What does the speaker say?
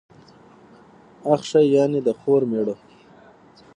اخښی، يعني د خور مېړه.